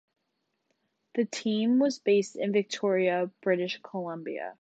The team was based in Victoria, British Columbia.